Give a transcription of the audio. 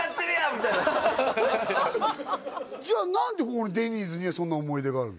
みたいなじゃあ何でここのデニーズにはそんな思い出があるの？